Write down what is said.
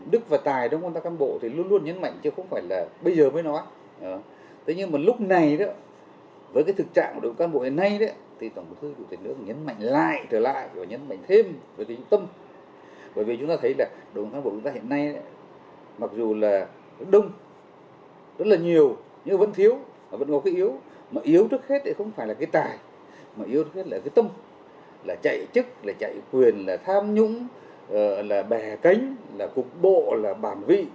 đức là chạy quyền là tham nhũng là bè cánh là cục bộ là bản vị